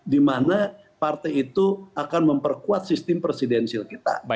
di mana partai itu akan memperkuat sistem presidensial kita